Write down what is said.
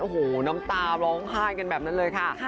โอ้โหน้ำตาร้องไห้กันแบบนั้นเลยค่ะ